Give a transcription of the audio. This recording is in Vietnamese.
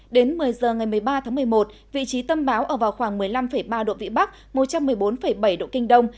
đến một mươi giờ ngày một mươi ba tháng một mươi một vị trí tâm bão ở vào khoảng một mươi năm ba độ vĩ bắc một trăm một mươi bốn bảy độ kinh đông